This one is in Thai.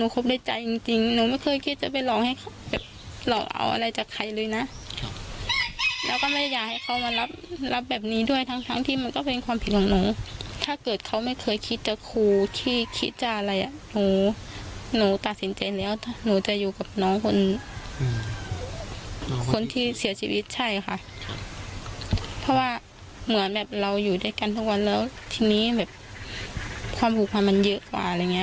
คบด้วยใจจริงจริงหนูไม่เคยคิดจะไปร้องให้เขาแบบหลอกเอาอะไรจากใครเลยนะแล้วก็ไม่อยากให้เขามารับรับแบบนี้ด้วยทั้งทั้งที่มันก็เป็นความผิดของหนูถ้าเกิดเขาไม่เคยคิดจะครูที่คิดจะอะไรอ่ะหนูหนูตัดสินใจแล้วหนูจะอยู่กับน้องคนคนที่เสียชีวิตใช่ค่ะเพราะว่าเหมือนแบบเราอยู่ด้วยกันทุกวันแล้วทีนี้แบบความผูกพันมันเยอะกว่าอะไรอย่างเง